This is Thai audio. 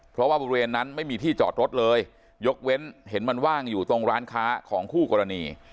เพราะว่าบริเวณนั้นไม่มีที่จอดรถเลยยกเว้นเห็นมันว่างอยู่ตรงร้านค้าของคู่กรณี